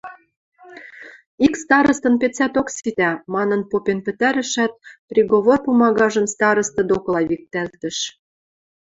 Ик старостын пецӓток ситӓ... – манын попен пӹтӓрӹшӓт, приговор пумагажым староста докыла виктӓлтӹш.